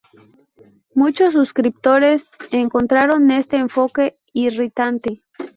Muchos suscriptores encontraron este enfoque irritante.